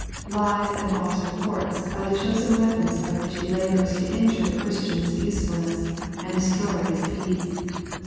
Lies and false reports are the chosen weapons by which he labors to injure the Christian's usefulness, and destroy his peace.